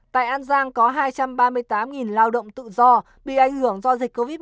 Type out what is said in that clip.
tại an giang có hai trăm ba mươi tám lao động tự do bị ảnh hưởng do dịch covid một mươi